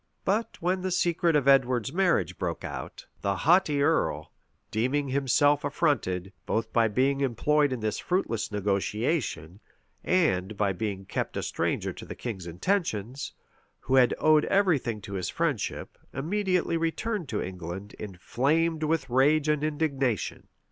[] But when the secret of Edward's marriage broke out, the haughty earl, deeming himself affronted, both by being employed in this fruitless negotiation, and by being kept a stranger to the king's intentions, who had owed every thing to his friendship, immediately returned to England, inflamed with rage and indignation.